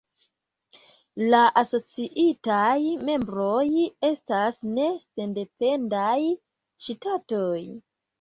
La asociitaj membroj estas ne sendependaj ŝtatoj.